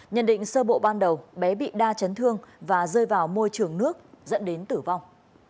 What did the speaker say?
nhận định sơ bộ ban đầu bé bị đa chấn thương và rơi vào môi trường nước dẫn đến tử vong